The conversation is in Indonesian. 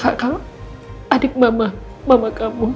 kakak kamu adik mama mama kamu